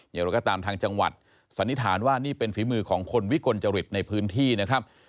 อย่างไรก็ตามทางจังหวัดสันนิษฐานว่านี่เป็นฝีมือของคนวิกลจริตในพื้นที่นะครับ